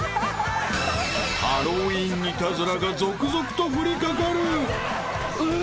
［ハロウィンイタズラが続々と降りかかる］